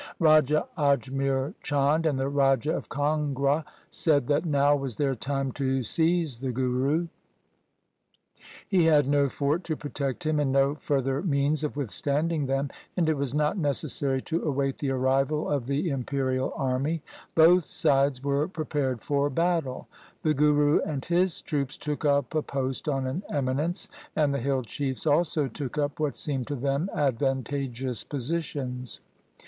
Raja Ajmer Chand and the Raja of Kangra said that now was their time to seize the Guru. He LIFE OF GURU GOBIND SINGH 139 had no fort to protect him and no further means of withstanding them, and it was not necessary to await the arrival of the imperial army. Both sides were prepared for battle. The Guru and his troops took up a post on an eminence, and the hill chiefs also took up what seemed to them advantageous positions.